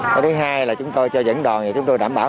cái thứ hai là chúng tôi cho dẫn đòn và chúng tôi đảm bảo